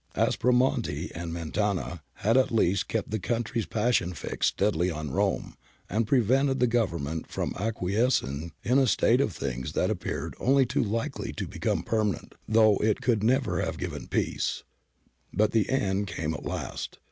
Aspromonte and Mentana had at least kept the country's passion fixed steadily on Rome, and prevented the Government from acquiescing in a state of things that appeared only too likely to become permanent, though it could never have given peace. But the end came at last.